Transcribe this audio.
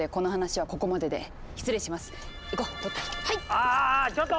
あぁちょっと！